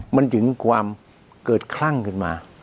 มันถึงความเกิดคลั่งขึ้นมา